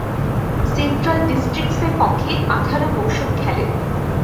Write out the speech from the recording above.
Central ডিস্ট্রিক্টসের পক্ষে আঠারো মৌসুম খেলেন।